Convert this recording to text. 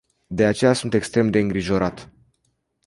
De aceea sunt extrem de îngrijorat.